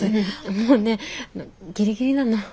もうねギリギリなの。